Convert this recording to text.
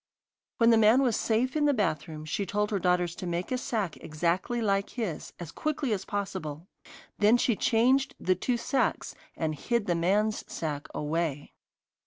When the man was safe in the bathroom she told her daughters to make a sack exactly like his, as quickly as possible. Then she changed the two sacks, and hid the man's sack away.